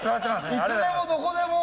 いつでもどこでも。